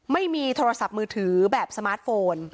ไม่มีโทรศัพท์มือถือแบบสมาร์ทโฟน